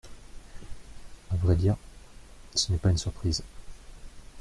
À vrai dire, ce n’est pas une surprise.